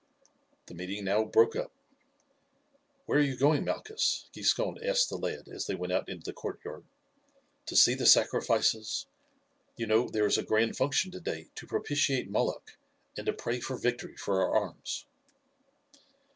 The meeting now broke up. "Where are you going, Malchus?" Giscon asked the lad as they went out into the courtyard; "to see the sacrifices? You know there is a grand function today to propitiate Moloch and to pray for victory for our arms."